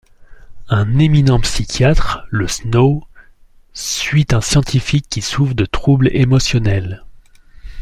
Un éminent psychiatre, le Snow, suit un scientifique qui souffre de troubles émotionnels.